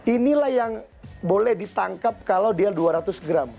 inilah yang boleh ditangkap kalau dia dua ratus gram